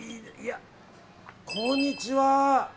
こんにちは。